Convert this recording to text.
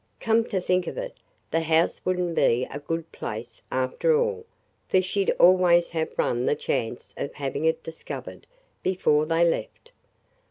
Come to think of it, the house would n't be a good place, after all, for she 'd always have run the chance of having it discovered before they left.